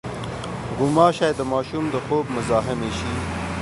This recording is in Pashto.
غوماشې د ماشوم د خوب مزاحمې شي.